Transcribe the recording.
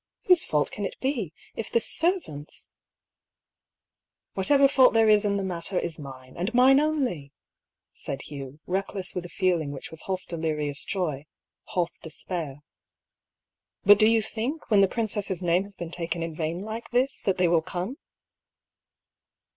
" Whose fault can it be ? If the serv ants "" Whatever fault there is in the matter is mine, and mine only," said Hugh, reckless with a feeling which was half delirious joy, half despair. But do you think, when the princess' name has been taken in vain like this, that they will come